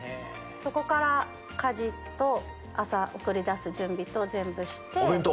そこから家事と朝送り出す準備と全部して。